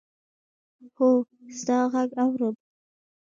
هو! ستا ږغ اورم.